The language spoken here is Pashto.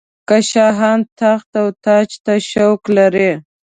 که شاهان تخت او تاج ته شوق لري.